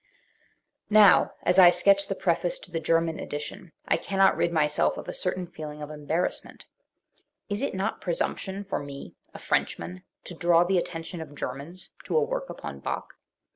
Now, as I sketch the preface to the German edition, I cannot rid myself of a certain feeling of embarrassment, Is it not presumption for me, a Frenchman, to draw the attention of Germans to a work upon Bach?